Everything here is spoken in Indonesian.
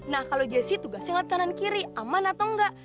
nah kalau jessy tugasnya ngeliat kanan kiri aman atau nggak